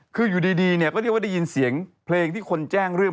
คืออยู่ดีเนี่ยก็เรียกว่าได้ยินเสียงเพลงที่คนแจ้งเรื่อง